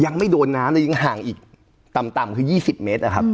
ยังไม่โดนน้ำเลยยังห่างอีกต่ำคือ๒๐เมตรนะครับ